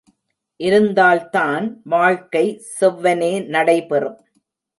இருந்தால்தான், வாழ்க்கை செவ்வனே நடைபெறும்.